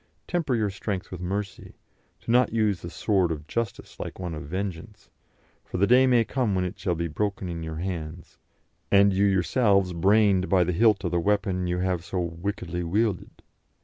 Temper your strength with mercy; do not use the sword of justice like one of vengeance, for the day may come when it shall be broken in your hands, and you yourselves brained by the hilt of the weapon you have so wickedly wielded."